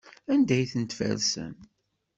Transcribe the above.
Anda ay ten-tfersem?